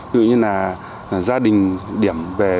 tự nhiên là gia đình điểm về